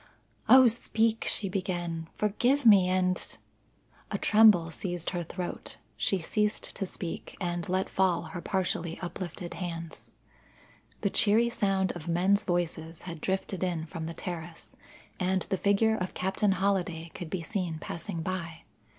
"O speak!" she began. "Forgive me, and " A tremble seized her throat; she ceased to speak and let fall her partially uplifted hands. The cheery sound of men's voices had drifted in from the terrace, and the figure of Captain Holliday could be seen passing by.